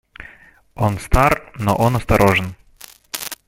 Он стар, но он осторожен.